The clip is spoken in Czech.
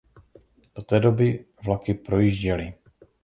Do té doby vlaky projížděly.